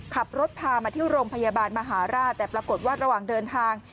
ขับรถพามาที่โรงพยาบาลมหาราชแต่ปรากฏว่าระหว่างเดินทาง